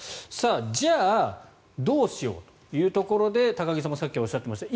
じゃあどうしようというところで高木さんもさっきおっしゃっていました